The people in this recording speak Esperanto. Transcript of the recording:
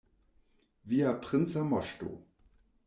Via princa moŝto!